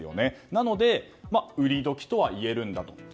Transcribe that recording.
なので、売り時とは言えるんだと。